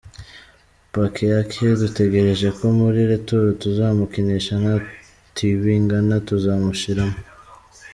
Pekeake dutegereje ko muri retour tuzamukinisha na Tibingana tuzamushiramo.